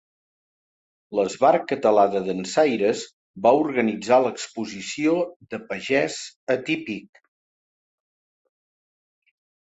L'Esbart Català de Dansaires va organitzar l'exposició De pagès a típic.